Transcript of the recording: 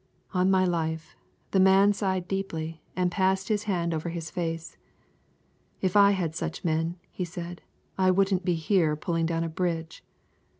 On my life, the man sighed deeply and passed his hand over his face. "If I had such men," he said, "I wouldn't be here pulling down a bridge.